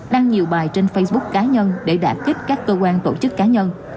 đăng nhiều bài trên facebook cá nhân để đạt kích các cơ quan tổ chức cá nhân